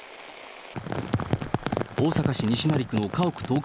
大阪市西成区の家屋倒壊